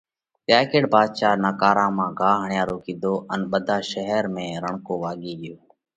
تيا ڪيڙ ڀاڌشا نقارا مانه گھا هڻيا رو ڪِيڌو ان ٻڌا شير ۾ رڻڪو واڳي ڳيو۔